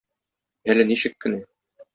Әле ничек кенә!